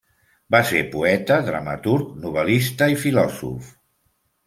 Va ser poeta, dramaturg, novel·lista i filòsof.